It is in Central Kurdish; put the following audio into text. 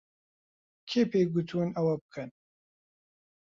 کێ پێی گوتوون ئەوە بکەن؟